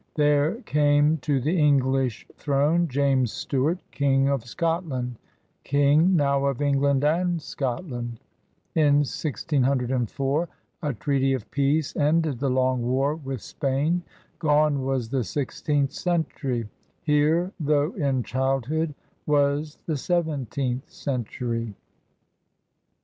There came to the English throne James Stuart, King of Scot land, King now of England and Scotland* In 1604 a treaty of peace ended the long war with Spain* Grone was the sixteenth century; here, though in childhood, was the seventeenth century.